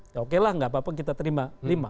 ya okelah nggak apa apa kita terima lima